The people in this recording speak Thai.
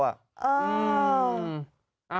เออ